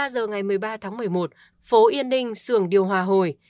một mươi ba giờ ngày một mươi ba tháng một mươi một phố yên ninh xưởng điều hòa hồi